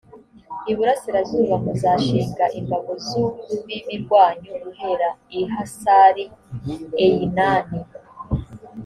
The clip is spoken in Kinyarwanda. iburasirazuba, muzashinga imbago z’urubibi rwanyu guhera i hasari-eyinani